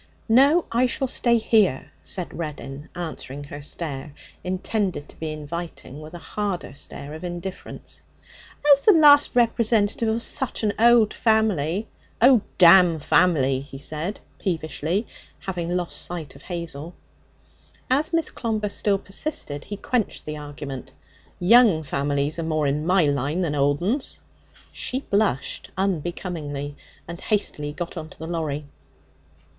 'No. I shall stay here,' said Reddin, answering her stare, intended to be inviting, with a harder stare of indifference. 'As the last representative of such an old family ' 'Oh, damn family' he said peevishly, having lost sight of Hazel. As Miss Clomber still persisted, he quenched the argument. 'Young families are more in my line than old 'uns.' She blushed unbecomingly, and hastily got on to the lorry.